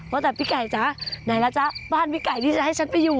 เอ้าโอแต่พี่ไก่น่ะจ้ะนายแล้วจ้าบ้านพี่ไก่ที่จะให้ฉันไปอยู่